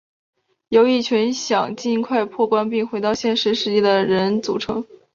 是由一群想尽快破关并回到现实世界的人组成。